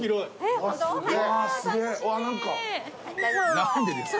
何でですか。